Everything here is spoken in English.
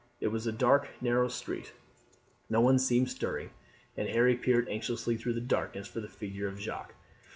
It was a dark narrow street; no one seemed stirring, and Harry peered anxiously through the darkness for the figure of Jacques.